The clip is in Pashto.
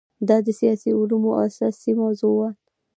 دا د سیاسي علومو اساسي موضوع ده.